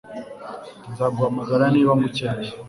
Nzaguhamagara niba ngukeneye